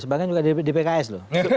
saya juga di pks lho